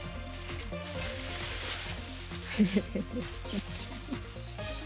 フフフフ。